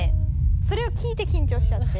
それを聞いて緊張しちゃって。